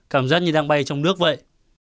cảm giác như đang bay trong nước vậy